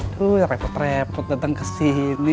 tuh repot repot dateng kesini